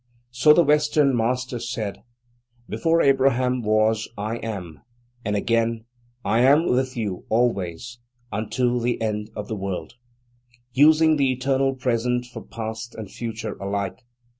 So the Western Master said: "Before Abraham was, I am"; and again, "I am with you always, unto the end of the world"; using the eternal present for past and future alike.